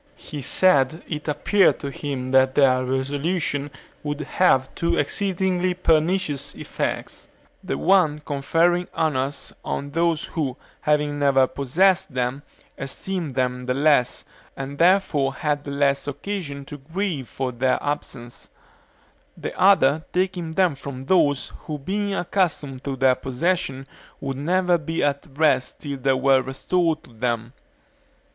He said it appeared to him that their resolution would have two exceedingly pernicious effects; the one conferring honors on those who, having never possessed them, esteemed them the less, and therefore had the less occasion to grieve for their absence; the other taking them from those who being accustomed to their possession would never be at rest till they were restored to them.